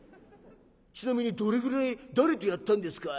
『ちなみにどれぐらい誰とやったんですか？』